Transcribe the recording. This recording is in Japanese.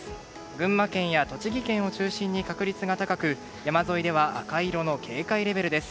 群馬県や栃木県を中心に確率が高く山沿いでは赤色の警戒レベルです。